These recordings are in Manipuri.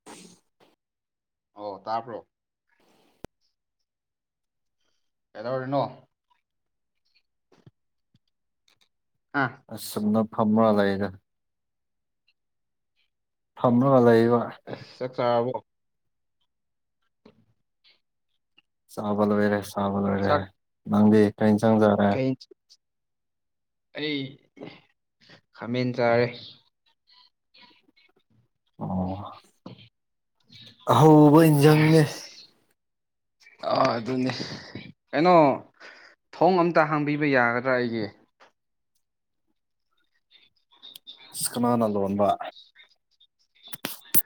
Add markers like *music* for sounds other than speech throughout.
*inaudible* ꯑꯣ ꯇꯥꯕꯔꯣ ꯀꯩꯗꯧꯔꯤꯅꯣ ꯑꯥ꯫ ꯑꯁ ꯁꯨꯝꯅ ꯐꯝꯃ꯭ꯔ ꯂꯩꯔ‌ꯦ ꯐꯝꯃꯒ ꯂꯩꯕ ꯑꯁ ꯆꯥꯛ ꯆꯥꯔꯕꯣ ꯆꯥꯕ ꯂ‌ꯣꯏꯔꯦ ꯆꯥꯕ ꯂ‌ꯣꯏꯔꯦ ꯆꯥꯛ ꯅꯪꯗꯤ ꯀꯔꯤ ꯏꯟꯁꯥꯡ ꯆꯥꯔꯦ꯫ ꯀꯩ ꯑꯩ ꯈꯥꯃꯦꯟ ꯆꯥꯔꯦ꯫ ꯑꯣ꯫ ꯑꯍꯧꯕ ꯏꯟꯖꯥꯡꯅꯦ ꯑꯁ ꯑ ꯑꯗꯨꯅꯦ ꯀꯩꯅꯣ꯫ ꯊꯣꯡ ꯑꯝꯇ ꯍꯥꯡꯕꯤꯕ ꯌꯥꯒꯗ꯭ꯔꯥ ꯑꯩꯒꯤ꯫ ꯁ ꯀꯅꯥꯅ ꯂꯣꯟꯕ꯫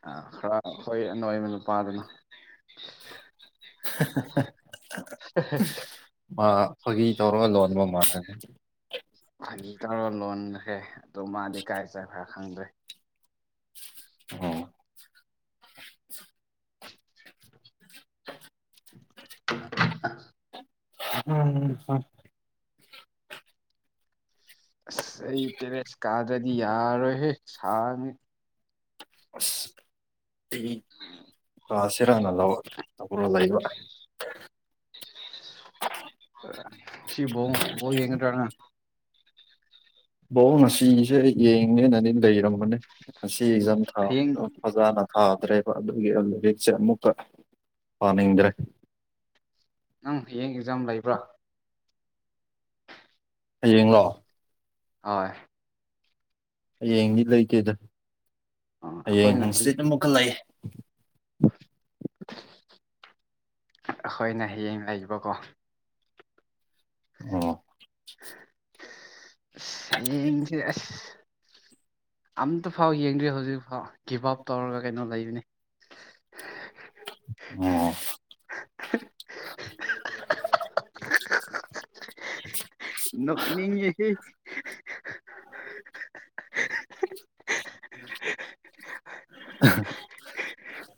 ꯑ ꯈꯔ ꯑꯩꯈꯣꯏ ꯑꯅꯣꯏꯕ ꯅꯨꯄꯥꯗꯨꯅ *unintelligible* ꯃꯥ ꯐꯥꯒꯤ ꯇꯧꯔꯒ ꯂꯣꯟꯕ ꯃꯥꯟꯂꯦ ꯐꯒꯤꯇꯧꯔ ꯂꯣꯟꯈ꯭ꯔꯦ ꯑꯗꯨ ꯃꯥꯗꯤ ꯀꯥꯏ ꯆꯠꯈ꯭ꯔ ꯈꯪꯗ꯭ꯔꯦ *inaudible* *inaudible* ꯎꯝꯝ ꯑꯁ ꯑꯩ ꯇꯦꯔꯦꯁ ꯀꯥꯗ꯭ꯔꯗꯤ ꯌꯥꯔꯣꯏꯍꯦ ꯁꯥꯔꯅꯤ ꯑꯁ ꯑꯩ ꯂꯁꯤꯔꯅ ꯂꯧ ꯂꯧ ꯂꯩꯕ ꯁꯤ *unintelligible* *unintelligible* ꯕꯣ ꯉꯁꯤꯁꯦ ꯌꯦꯡꯅꯦꯅꯗꯤ ꯂꯩꯔꯝꯕꯅꯦ ꯉꯁꯤ ꯑꯦꯛꯖꯥꯝ ꯍꯌꯦꯡ ꯊꯥꯗ ꯐꯖꯅ ꯊꯥꯗ꯭ꯔꯦꯕ ꯑꯗꯨꯒꯤ ꯑꯃꯨꯛ ꯂꯤꯔꯤꯛꯁꯦ ꯑꯃꯨꯛꯀ ꯄꯥꯅꯤꯡꯗ꯭ꯔꯦ ꯅꯪ ꯍꯌꯦꯡ ꯑꯦꯛꯖꯥꯝ ꯂꯩꯕ꯭ꯔꯥ ꯍꯌꯦꯡꯂꯣ ꯑ‌ꯣꯏ ꯍꯌꯦꯡꯗꯤ ꯂꯩꯇꯦꯗ ꯑꯣ ꯍꯌꯦꯡ ꯑꯩꯈꯣꯏꯅ ꯍꯪꯁꯤꯠ ꯑꯃꯨꯛ ꯀ ꯂ‌ꯩ ꯑꯩꯈꯣꯏꯅ ꯍꯌꯦꯡ ꯂꯩꯕꯀꯣ ꯑꯣ ꯑꯁ ꯍꯌ‌ꯦꯡ ‌ꯖ‌ꯦ ꯑꯁ ꯑꯝꯇꯐꯥꯎ ꯌꯦꯡꯗ꯭ꯔꯤ ꯍꯧꯖꯤꯛꯐꯥꯎ ꯒꯤꯞ ꯑꯞ ꯇꯧꯔꯒ ꯀꯩꯅꯣ ꯂꯩꯕꯅꯤ ꯑꯣ ꯅꯣꯛꯅꯤꯡꯉꯤꯍ‌‌ꯦ *inaudible*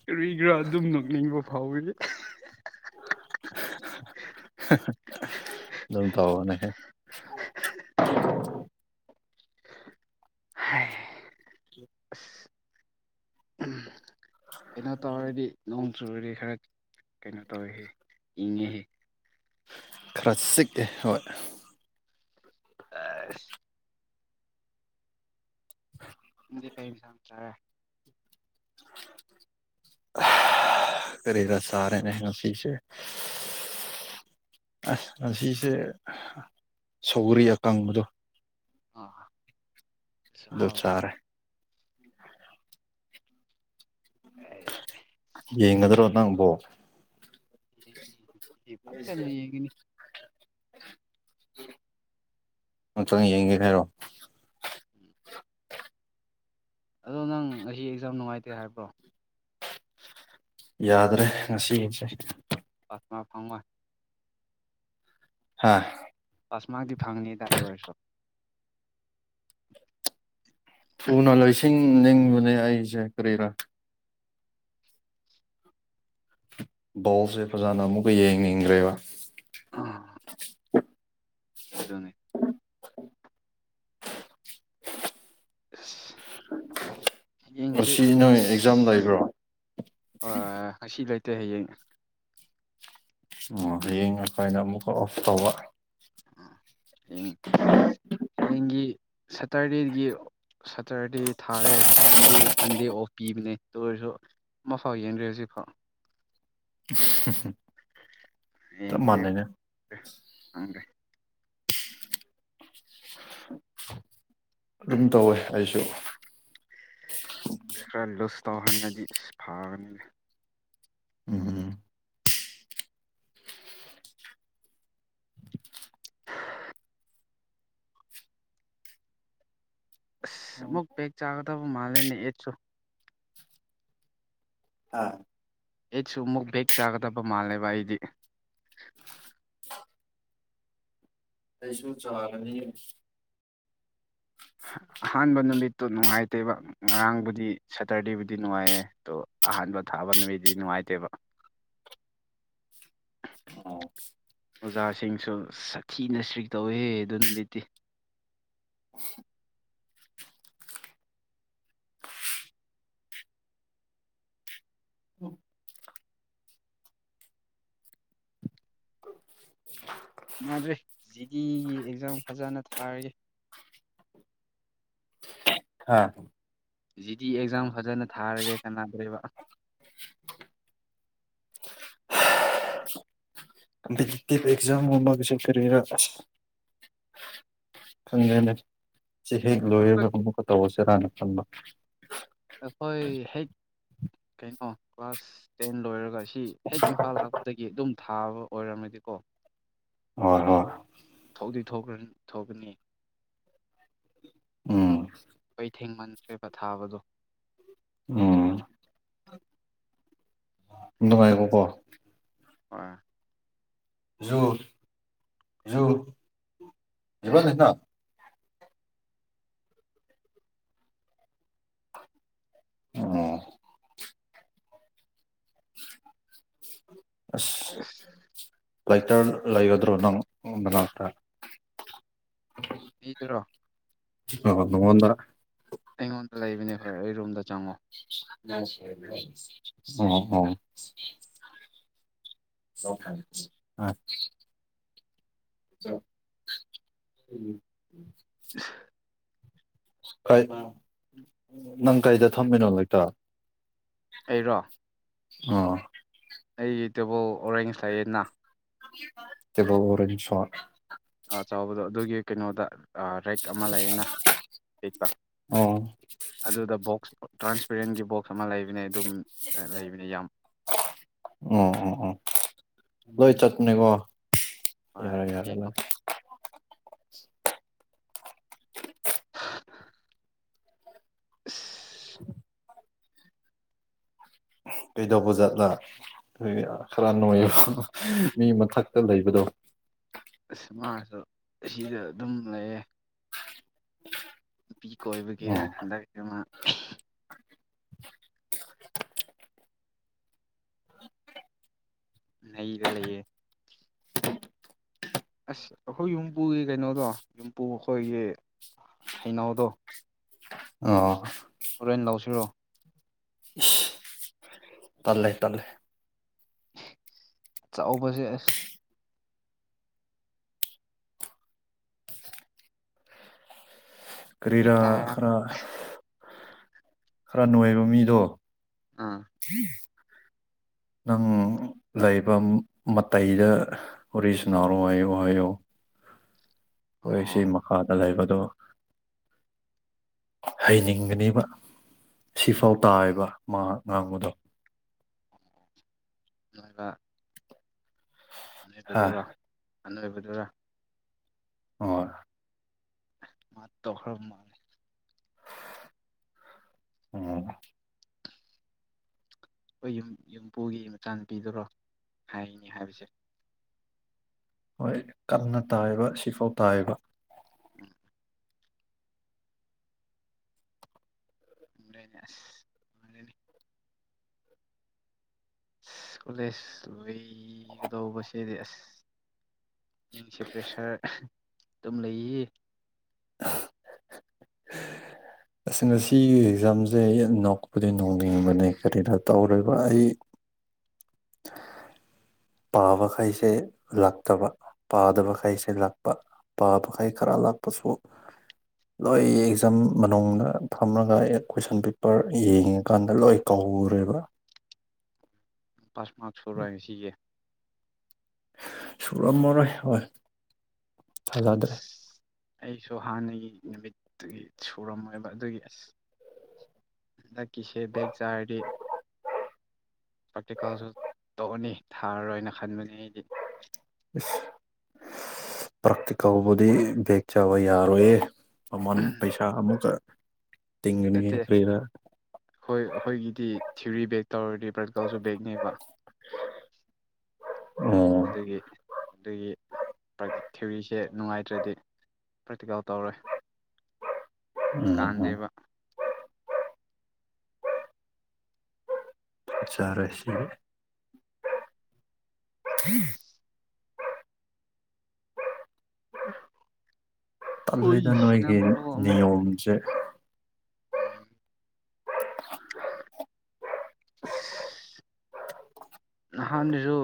ꯀꯔꯤ ꯒꯤꯔꯥ ꯑꯗꯨꯝ ꯅꯣꯛꯅꯤꯡꯕ ꯐꯥꯎꯋꯤꯍ‌ꯦ ꯑꯗꯨꯝ ꯇꯧꯕꯅꯦꯍꯦ *inaudible* ꯍꯥꯏ ꯑꯁ ꯀꯩꯅꯣ *inaudible* ꯇꯧꯔꯗꯤ ꯅꯣꯡ ꯆꯨꯔꯗꯤ ꯈꯔ ꯀꯩꯅꯣ ꯇꯧꯔꯦꯍ ꯏꯪꯉꯦꯍ‌ꯦ ꯈꯔ ꯆꯤꯛꯑꯦ ꯍꯣꯏ ꯑꯥꯏꯁ *inaudible* ꯀꯩꯒꯤ ꯁꯥꯟꯇ꯭ꯔꯦ *inaudible* ꯔꯗ ꯁꯔꯦꯅꯦ ꯍ ꯉꯁ ꯑꯁ ꯉꯁꯦ ꯁꯧꯒꯔꯤ ꯑꯀꯪꯕꯗꯣ ꯑꯥꯁꯨ ꯑꯗꯨ ꯍꯥꯎꯅꯦ ꯆꯥꯔꯦ ꯌꯦꯡꯉꯗ꯭ꯔꯣ ꯅꯥꯡꯕꯣ ꯌꯦꯡꯅꯤꯁꯤꯁꯦ ꯄꯥꯛ ꯆꯅ ꯌꯦꯡꯒꯅꯤ ꯑ ꯆꯪ ꯌꯦꯡꯒꯦ ꯍꯥꯏꯔꯣ ꯎꯝ ꯑꯗꯣ ꯅꯪ ꯉ ꯑꯦꯛꯖꯥꯝ ꯅꯨꯡꯉꯥꯏꯇꯦ ꯍꯥꯏꯕ꯭ꯔꯣ ꯌꯥꯗ꯭ꯔꯦ ꯉꯁꯤ ꯌꯦꯁꯦ ꯄꯥꯁꯃꯥ ꯐꯥꯎꯃ ꯍꯥ ꯄꯥꯁꯃꯥꯒꯤ ꯐꯪꯅꯤꯗꯗꯣ ꯑꯣꯏꯔꯁꯨ ꯊꯨꯅ ꯂꯣꯏꯁꯤꯡ ꯅꯤꯡꯕꯅꯦ ꯑꯩꯁꯦ ꯀꯔꯤꯔꯥ ꯕꯣꯜꯁꯦ ꯐꯖꯅ ꯑꯃꯨꯛꯀ ꯌꯦꯡꯅꯤꯡꯈ꯭ꯔꯦꯕ ꯑ ꯑꯗꯨꯅꯦ ꯑꯁ ꯌꯦꯡꯁꯨ ꯉꯁꯤ ꯅꯣꯏ ꯑꯦꯛꯖꯥꯝ ꯂꯩꯕ꯭ꯔꯣ ꯑ ꯑꯁꯤ ꯂꯩꯇꯦ ꯍꯌꯦꯡ ꯑꯣ ꯍꯌꯦꯡ ꯑꯈꯥꯏꯅ ꯑꯃꯨꯛꯀ ꯑꯣꯐ ꯇꯧꯕ ꯍꯌꯦꯡ ꯍꯌꯦꯡꯒꯤ ꯁꯇꯔꯗꯦꯒꯤ ꯁꯇꯔꯗꯦ ꯊꯥꯔꯦ ꯁꯟꯗꯦ ꯃꯟꯗꯦ ꯑꯣ ꯄꯤꯕꯅꯦ ꯇ ꯑꯣꯏꯔꯁꯨ ꯃꯐꯥꯎ ꯌꯦꯡꯗ꯭ꯔꯦ ꯍꯧꯖꯤꯛꯐꯥꯎ ꯎ ꯌꯦ ꯑꯗꯨꯝ ꯇꯧꯋꯦ ꯑꯩꯁꯨ ꯈꯔ ꯂꯣꯁ ꯇꯧꯍꯅꯗꯤ ꯐꯕꯅꯤ ꯎꯝ ꯑ ꯎꯝ ꯑꯃꯨꯛ ꯄꯦꯛ ꯆꯥꯒꯗꯕ ꯃꯥꯂꯦꯅꯦ ꯑꯦꯠ ꯁꯣ ꯍꯥ ꯑꯦꯠꯁꯨ ꯑꯃꯨꯛ ꯕꯦꯛ ꯆꯥꯒꯗꯕ ꯃꯥꯜꯂꯦꯕ ꯑꯩꯗꯤ ꯀꯩꯁꯨꯝ ꯆꯥꯂꯅꯤ ꯑꯍꯥꯟꯕ ꯅꯨꯃꯤꯠꯇꯨ ꯅꯨꯡꯉꯥꯏꯇꯦꯕ ꯉꯔꯥꯡꯕꯨꯗꯤ ꯁꯦꯇꯔꯗꯦꯕꯨꯗꯤ ꯅꯨꯡꯉꯥꯏꯌꯦ ꯑꯗꯣ ꯑꯍꯥꯟꯕ ꯊꯥꯕ ꯅꯨꯃꯤꯠꯇꯗꯤ ꯅꯨꯡꯉꯥꯏꯇꯦꯕ ꯑꯣꯖꯥꯁꯤꯡꯁꯨ ꯁꯥ ꯊꯤꯅ ꯏꯁꯇ꯭ꯔꯤꯛ ꯇꯧꯋꯤ ꯑꯗꯨ ꯅꯨꯃꯤꯠꯇꯤ ꯗ꯭ꯔꯦ ꯖꯤꯗꯤꯒꯤ ꯑꯦꯛꯖꯥꯝ ꯐꯖꯅ ꯊꯥꯔꯒꯦ ꯍꯥ ꯖꯤꯗꯤ ꯑꯦꯛꯖꯥꯝ ꯐꯖꯅ ꯊꯥꯔꯒꯦ ꯀꯅꯥꯗꯦꯕ ꯀꯇꯤꯚ ꯑꯦꯛꯖꯝ ꯑꯃ ꯃꯒꯁꯨ ꯐꯦ ꯈꯪꯉꯦꯅꯦ ꯁꯤ ꯍꯦꯛ ꯑꯩꯈꯣꯏ ꯂꯣꯏꯔꯒ ꯑꯃꯨꯛꯀ ꯇꯧꯔꯁꯤꯔꯥꯅ ꯈꯪꯕ ꯑꯩꯈꯣꯏ ꯍꯦꯛ ꯀꯩꯅꯣ ꯀ꯭ꯂꯥꯁ ꯇꯦꯟ ꯂꯣꯏꯔꯒ ꯁꯤ ꯍꯦꯛ ꯏꯝꯐꯥꯜ ꯂꯥꯛꯄ ꯗꯒꯤ ꯑꯗꯨꯝ ꯊꯥꯕ ꯑꯣꯏꯔꯝꯃꯗꯤ ꯀꯣ ꯍ ꯍ ꯊꯧꯗꯣꯏꯈ꯭ꯔꯅꯤ ꯊꯣꯛꯒꯅꯤ ꯎꯝ ꯑꯩꯈꯣꯏ ꯊꯦꯡꯃꯟꯈ꯭ꯔꯦꯕ ꯊꯥꯕꯗꯣ ꯎꯝ ꯅꯨꯡꯉꯥꯏꯀꯣꯀꯣ ꯑ ꯌꯨ ꯌꯨ ꯏꯕꯅꯤꯅ ꯎꯝ ꯑꯁ ꯂꯇꯔ ꯂꯩꯒꯗ꯭ꯔꯣ ꯅꯪ ꯃꯅꯥꯛꯇ ꯕꯤꯗꯨꯔꯣ ꯃꯉꯣꯡꯗ꯭ꯔ ꯑꯩꯉꯣꯟꯗ ꯂꯩꯕꯅꯦ ꯍꯣꯏ ꯑꯩ ꯔꯨꯝꯗ ꯆꯪꯉꯣ ꯑꯣ ꯑꯣ *unintelligible* *unintelligible* ꯑꯠ ꯅꯪ ꯀꯩꯗ ꯊꯝꯃꯤꯅꯣ ꯂꯩꯛꯇꯔ ꯑꯩꯔꯣ ꯑꯥ ꯑꯩꯒꯤ ꯇꯦꯕꯜ ꯑꯣꯔꯦꯟꯖ ꯂꯥꯏꯌꯦꯅꯥ ꯇꯦꯕꯜ ꯑꯣꯔꯦꯟꯖ *unintelligible* ꯆꯥꯎꯕꯗꯣ ꯑꯗꯨꯒꯤ ꯀꯩꯅꯣꯗ ꯔꯦꯛ ꯑꯃ ꯂꯩꯌꯦꯅ ꯍꯤꯛꯄ ꯑꯣ ꯑꯗꯨꯗ ꯕꯣꯛꯁ ꯇ꯭ꯔꯥꯟꯁꯄꯦꯔꯦꯟꯒꯤ ꯕꯣꯛꯁ ꯑꯃ ꯂꯩꯕꯅꯦ ꯑꯗꯨꯝ ꯂꯩꯕꯅꯦ ꯌꯥꯝ ꯑꯣ ꯑꯣ ꯑꯣ ꯂꯣꯏ ꯆꯠꯅꯦꯀꯣ ꯍꯣꯏ ꯌꯥꯔꯦ ꯌꯥꯔꯦ ꯌꯦꯡꯉꯣ ꯂꯣꯏ ꯑꯁ *unintelligible* ꯀꯩꯗꯧꯕꯖꯥꯠꯂ ꯈꯔ ꯅꯣꯏꯑꯕ ꯃꯤ ꯃꯊꯛꯇ ꯂꯩꯕꯗꯣ ꯑꯁ ꯃꯁꯨ ꯑꯁꯤꯗ ꯑꯗꯨꯝ ꯂꯩꯌꯦ ꯅꯨꯄꯤ ꯀꯣꯏꯕꯒꯤꯔ ꯑꯣ ꯍꯟꯗꯛꯁꯨ ꯃꯥ ꯅꯩꯔꯥ ꯂꯩꯌꯦ ꯑꯁ ꯑꯩꯈꯣꯏ ꯌꯨꯝꯄꯨꯒꯤ ꯀꯩꯅꯣꯗꯣ ꯌꯨꯝꯄꯨ ꯑꯩꯈꯣꯏꯒꯤ ꯍꯩꯅꯧꯗꯣ ꯑꯣ ꯍꯣꯔꯦꯟ ꯂꯧꯁꯤꯔꯣ ꯏꯁ ꯇꯜꯂꯦ ꯇꯜꯂꯦ ꯆꯥꯎꯕꯖꯦ ꯑꯁ ꯅꯣꯏ ꯀꯔꯤꯔꯥ ꯇꯥꯔꯝ ꯈꯔ ꯈꯔ ꯅꯣꯏꯕ ꯃꯤꯗꯣ ꯑꯥ ꯅꯪ ꯂꯩꯕ ꯃꯇꯩꯗ ꯋꯥꯔꯤ ꯁꯅꯔꯣ ꯍꯥꯏꯑꯣ ꯍꯥꯏꯑꯣ ꯈꯣꯏꯁꯤ ꯑꯣ ꯃꯈꯥꯗ ꯂꯩꯕꯗꯣ ꯍꯩꯅꯤꯡꯕꯅꯦꯕ ꯁꯤꯐꯥꯎ ꯇꯥꯏꯕ ꯃꯥ ꯉꯥꯡꯕꯗꯣ *unintelligible* ꯍꯥ ꯑꯗꯨꯔꯣ ꯑꯅꯣꯏꯕꯗꯔ ꯍꯣꯏ *unintelligible* ꯑꯣ ꯈꯣꯏ ꯌꯨꯝ ꯌꯨꯝꯄꯨꯒꯤ ꯃꯆꯥꯅꯨꯄꯤꯗꯨꯔꯣ ꯍꯥꯏꯅꯤ ꯍꯥꯏꯕꯁꯦ ꯍꯣꯏ ꯀꯟꯅ ꯇꯥꯏꯕ ꯁꯤꯐꯥꯎ ꯇꯥꯏꯕ *unintelligible* *unintelligible* ꯀꯣꯂꯦꯖ ꯂꯣꯏꯒꯗꯧꯕ ꯁꯤꯗꯤ ꯑꯁ ꯃꯤꯁꯦ ꯄ꯭ꯔꯦꯁꯥꯔ ꯑꯗꯨꯝ ꯂꯩꯌꯦ *unintelligible* ꯑꯁ ꯉꯁꯤ ꯑꯦꯛꯖꯥꯝꯁꯦ ꯑꯩ ꯅꯣꯛꯄꯗꯤ ꯅꯣꯡꯅꯤꯡꯕꯅꯦ ꯀꯔꯤꯗ ꯇꯧꯔꯤꯕ ꯑꯩ ꯄꯥꯕꯈꯩꯁꯦ ꯂꯛꯇꯕ ꯄꯥꯗꯕꯈꯩꯁꯦ ꯂꯥꯛꯄ ꯄꯥꯕꯈꯩ ꯈꯔ ꯂꯥꯛꯄꯁꯨ *inaudible* ꯅꯣꯏ ꯑꯦꯛꯖꯥꯝ ꯃꯅꯨꯡꯗ ꯊꯝꯃꯒ ꯀꯣꯏꯁꯟ ꯄꯦꯄꯔ ꯌꯦꯡꯉꯀꯥꯟꯗ ꯂꯣꯏ ꯀꯧꯔꯦꯕ ꯄꯥꯁ *unintelligible* ꯁꯤꯒꯤ ꯁꯨꯔꯝꯃꯔꯣꯏ ꯍꯣꯏ ꯊꯥꯖꯗꯦ ꯑꯩꯁꯨ ꯍꯥꯟꯅꯒꯤ ꯅꯨꯃꯤꯠꯇꯨꯒꯤ ꯁꯨꯔꯝꯃꯣꯏꯕ ꯑꯗꯨꯒꯤ ꯑꯁ ꯍꯟꯗꯛꯀꯤꯁꯦ ꯕꯦꯛ ꯆꯥꯔꯗꯤ ꯄ꯭ꯔꯥꯛꯇꯤꯀꯦꯜꯁꯨ ꯇꯧꯑꯅꯤ ꯊꯥꯔꯔꯣꯏꯅ ꯈꯟꯕꯅꯤ ꯑꯩꯗꯤ ꯄ꯭ꯔꯛꯇꯤꯀꯜ ꯕꯨꯗꯤ ꯕꯦꯛ ꯆꯥꯕ ꯌꯥꯔꯣꯏꯌꯦ *unintelligible* ꯄꯩꯁꯥ ꯑꯃꯨꯛꯀ ꯇꯤꯡꯒꯅꯤꯉ ꯀꯔꯤꯗ ꯍꯣꯏ ꯑꯩꯈꯣꯏꯒꯤꯗꯤ ꯊꯤꯌꯨꯔꯤ ꯕꯦꯛ ꯇꯧꯔꯗꯤ ꯄꯕ꯭ꯔꯀꯜꯁꯨ ꯕꯦꯒꯅꯦꯕ ꯎꯝ ꯑꯗꯨꯒꯤ ꯑꯗꯨꯒꯤ ꯄ꯭ꯔꯛ ꯊꯤꯌꯨꯁꯦ ꯅꯨꯡꯉꯥꯏꯇ꯭ꯔꯗꯤ ꯄ꯭ꯔꯦꯛꯇꯤꯀꯦꯜ ꯇꯧꯔꯦꯏ ꯎꯝ ꯆꯔꯥꯁꯤ *unintelligible* ꯇꯜꯂꯤꯗ ꯍꯨꯏꯁꯤꯅ ꯅꯣꯏꯒꯤ ꯃꯔꯣꯜ ꯅꯤꯌꯣꯝꯁꯦ ꯎꯝ ꯅꯥꯟꯅꯁꯨ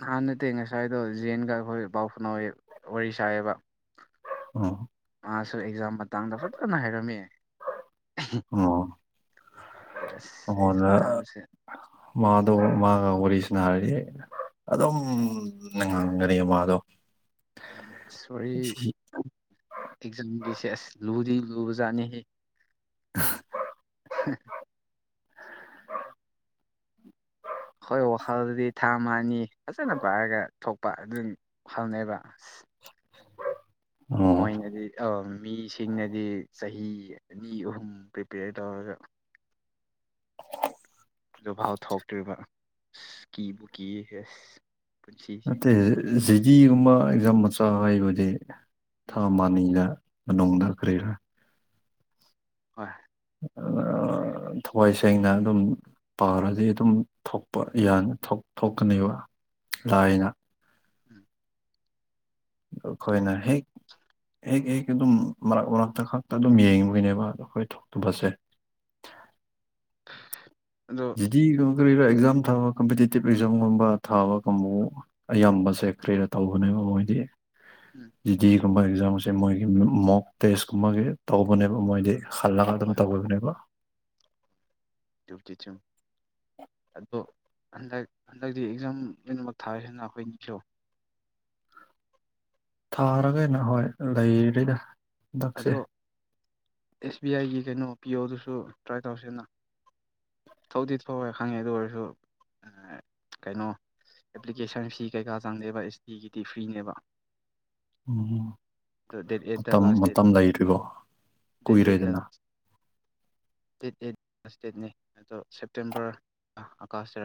ꯅꯍꯥꯟ ꯅꯠꯇꯦ ꯉꯁꯥꯏꯗꯣ ꯖꯦꯟꯒ ꯑꯩꯈꯣꯏ ꯄꯥꯎ ꯐꯅ ꯋꯥꯔꯤ ꯁꯥꯏꯑꯕ ꯎꯝ ꯃꯥꯁꯨ ꯑꯦꯛꯖꯥꯝ ꯃꯇꯥꯡꯗ ꯐꯖꯅ ꯍꯥꯏꯔꯝꯃꯦ ꯑꯣ ꯇꯁ ꯃꯉꯣꯟꯗ ꯃꯥꯗꯣ ꯃꯥꯒ ꯋꯥꯔꯤꯁꯤꯅ ꯍꯥꯏꯔꯗꯤ ꯑꯩꯅ ꯑꯗꯨꯝ ꯅꯉꯥꯡꯒꯅꯤ ꯃꯥꯗꯣ ꯎꯝ ꯁꯣꯔꯤ ꯁꯤ ꯑꯦꯛꯖꯥꯝꯒꯤꯁꯦꯁ ꯂꯨꯗꯤ ꯂꯨꯕꯖꯥꯠꯅꯤꯍ *inaudible* ꯍꯣꯏ ꯋꯥꯈꯜꯗꯤ ꯊꯥ ꯑꯃꯅꯤ ꯐꯖꯅ ꯄꯥꯏꯔꯒ ꯊꯣꯛꯄ ꯑꯗꯨꯝ ꯍꯧꯪꯅꯩꯕ ꯑꯁ ꯑꯣ ꯃꯣꯏꯅꯗꯤ ꯑ ꯃꯤꯁꯤꯡꯅꯗꯤ ꯆꯍꯤ ꯑꯅꯤ ꯑꯍꯨꯝ ꯄ꯭ꯔꯤꯄꯦꯌꯔ ꯇꯧꯔꯒ ꯚꯥꯎ ꯊꯣꯛꯇ꯭ꯔꯤꯕ ꯑꯁ ꯀꯤꯕꯨ ꯀꯤ ꯌꯦꯁ ꯅꯠꯇꯦ ꯖꯤꯦ ꯗꯤꯒꯨꯝꯕ ꯑꯦꯛꯖꯥꯝ ꯃꯆꯥ ꯍꯥꯏꯕꯗꯤ ꯊꯥ ꯎꯝ ꯃꯥꯅꯤꯗ ꯃꯅꯨꯡꯗ ꯀꯔꯤꯔ ꯍꯣꯏ ꯊꯋꯥꯏ ꯁꯦꯡꯅ ꯑꯗꯨꯝ ꯄꯥꯔꯗꯤ ꯑꯗꯨꯝ ꯊꯣꯛꯄ ꯌꯥꯅꯤ ꯊꯣꯛꯀꯅꯦꯕ ꯎꯝ ꯂꯥꯏꯅ ꯎꯝ ꯑ ꯑꯩꯈꯣꯏꯅ ꯍꯦꯛ ꯍꯦꯛ ꯍꯦꯛ ꯑꯗꯨꯝ ꯃꯔꯛ ꯃꯔꯛꯇ ꯈꯛꯇ ꯑꯗꯨꯝ ꯌꯦꯡꯉꯕꯒꯤꯅꯦꯕ ꯑꯗꯣ ꯑꯩꯈꯣꯏ ꯊꯣꯛꯇꯨꯕꯁꯦ ꯑꯗꯨ ꯀꯔꯤꯔ ꯑꯦꯛꯖꯥꯝ ꯊꯥꯕ ꯀꯝꯄꯤꯇꯤꯇꯤꯚ ꯑꯦꯛꯖꯥꯝꯒꯨꯝꯕ ꯊꯥꯕ ꯀꯨꯝꯕꯨ ꯑꯌꯥꯝꯕꯁꯦ ꯀꯔꯤꯗ ꯇꯧꯕꯅꯦꯕ ꯃꯣꯏꯗꯤ ꯎꯝ ꯖꯤ ꯗꯤꯒꯨꯝꯕ ꯑꯦꯛꯖꯥꯝꯁꯦ ꯃꯣꯏꯒꯤ ꯃꯣꯛ ꯇꯦꯁꯀꯨꯝꯕꯒꯤ ꯇꯧꯕꯅꯦꯕ ꯃꯣꯏꯗꯤ ꯈꯜꯂꯒ ꯑꯗꯨꯝ ꯍꯣꯏ ꯇꯧꯤꯕꯅꯦꯕꯣ ꯨꯨꯞꯇꯤꯆꯨꯝ ꯑꯗꯣ ꯍꯟꯗꯛ ꯍꯟꯗꯛꯇꯤ ꯑꯦꯛꯖꯥꯝ ꯂꯣꯏꯅꯃꯛ ꯊꯥꯁꯤꯅ ꯑꯩꯈꯣꯏ ꯅꯤꯡꯕꯤꯔꯛꯑꯣ ꯊꯥꯔꯒꯩꯅ ꯍꯣꯏ ꯂꯩꯔꯗ ꯑꯗꯣ ꯑꯦꯁ ꯕꯤ ꯑꯥꯏꯒꯤ ꯀꯩꯅꯣ ꯄꯤꯌꯣꯗꯨꯁꯨ ꯇ꯭ꯔꯥꯏ ꯇꯧꯁꯤꯅ ꯊꯧꯗꯤ ꯊꯧꯋꯦ ꯈꯪꯉꯦ ꯑꯗꯨ ꯑꯣꯏꯔꯁꯨ ꯀꯩꯅꯣ ꯑꯦꯄ꯭ꯂꯤꯀꯦꯁꯟ ꯐꯤ ꯀꯩꯀꯥ ꯆꯥꯡꯗꯦꯕ ꯑꯦꯁ ꯗꯤꯒꯤꯗꯤ ꯐ꯭ꯔꯤꯅꯦꯕ ꯎꯝ ꯑꯗꯣ ꯗꯦꯠ ꯃꯇꯝ ꯃꯇꯝꯗ ꯏꯔꯒꯣ ꯆꯦꯖꯦꯇ *unintelligible* ꯑꯗꯣ ꯁꯦꯞꯇꯦꯝꯕꯔ ꯑꯒꯁ